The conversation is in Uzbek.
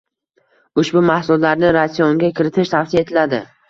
Ushbu mahsulotlarni ratsionga kiritish tavsiya etiladi